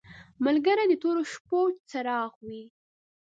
ملګری د تورو شپو څراغ وي.